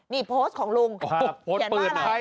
นี่โพสต์ของลุงเขียนว่าอะไร